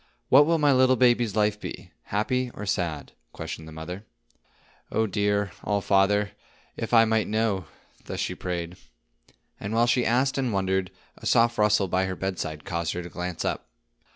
"What will my little baby's life be,—happy or sad?" questioned the mother. "Oh, dear All Father, if I might know!" thus she prayed. And while she asked and wondered, a soft rustle by her bedside caused her to glance up.